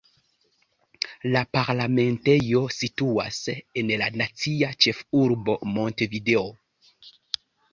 La parlamentejo situas en la nacia ĉefurbo Montevideo.